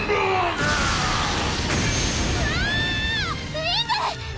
ウィング！